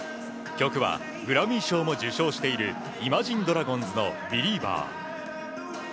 曲はグラミー賞も受賞しているイマジン・ドラゴンズの「ビリーバー」。